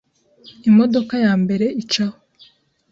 imodoka ya mbere icaho